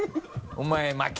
お前負け